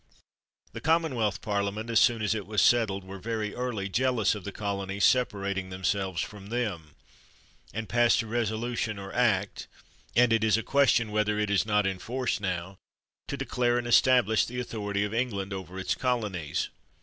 The Commonwealth Parliament, as soon as it was settled, were very early jealous of the colo nies separating themselves from them; and passed a resolution or act (and it is a question whether it is not in force now) to declare and establish authority of England over its colonies.